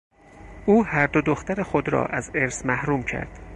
او هر دو دختر خود را از ارث محروم کرد.